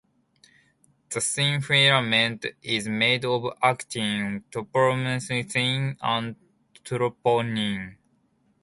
The thin filament is made of actin, tropomyosin, and troponin.